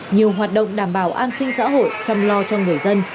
nhiều hoạt động đảm bảo an sinh xã hội chăm lo cho người dân